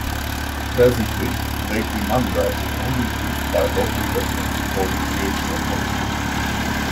Presently, Lake Imandra is only used by local residents for recreational boating.